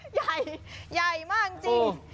ใหญ่ใหญ่มากจริง